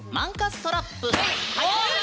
はやい！